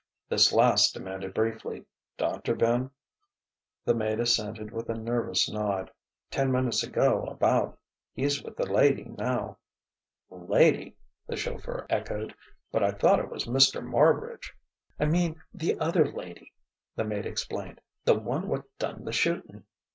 This last demanded briefly: "Doctor been?" The maid assented with a nervous nod: "Ten minutes ago, about. He's with the lady now " "Lady!" the chauffeur echoed. "But I thought it was Mr. Marbridge " "I mean the other lady," the maid explained "the one what done the shooting.